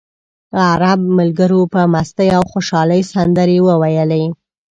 عرب ملګرو په مستۍ او خوشالۍ سندرې وویلې.